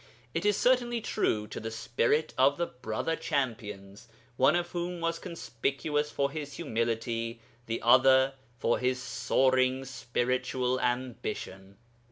This is certainly true to the spirit of the brother champions, one of whom was conspicuous for his humility, the other for his soaring spiritual ambition.